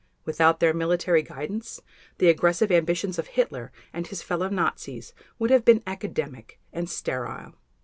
Without their military guidance the aggressive ambitions of Hitler and his fellow Nazis would have been academic and sterile.